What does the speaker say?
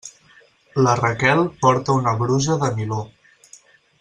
La Raquel porta una brusa de niló.